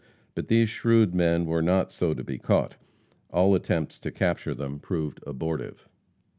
But these shrewd men were not so to be caught. All attempts to capture them proved abortive.